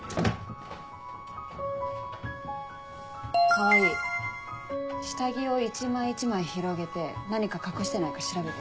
川合下着を一枚一枚広げて何か隠してないか調べて。